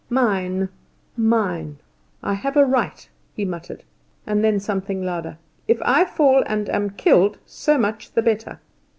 "Mine, mine! I have a right," he muttered; and then something louder, "if I fall and am killed, so much the better!"